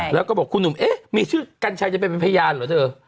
แล้วก็บอกคุณหนุ่มเอ๊ะมีชื่อกัญชัยจะไปเป็นพยานเหรอเธอ